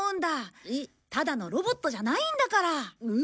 ただのロボットじゃないんだから！